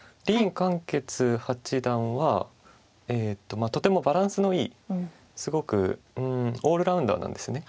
傑八段はとてもバランスのいいすごくオールラウンダーなんです。